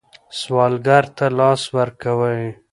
سوالګر ته لاس ورکوئ